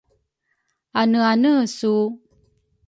Aneane su?